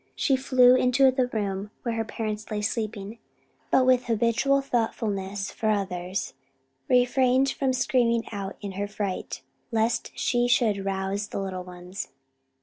She flew into the room where her parents lay sleeping, but with habitual thoughtfulness for others, refrained from screaming out in her fright, lest she should rouse the little ones.